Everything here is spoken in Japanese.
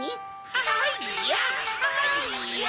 はいやはいや。